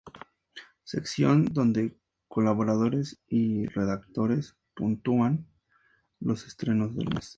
Sección donde colaboradores y redactores puntúan los estrenos del mes.